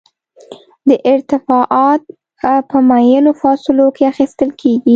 دا ارتفاعات په معینو فاصلو کې اخیستل کیږي